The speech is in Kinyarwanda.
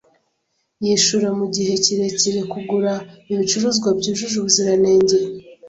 Yishura mugihe kirekire kugura ibicuruzwa byujuje ubuziranenge.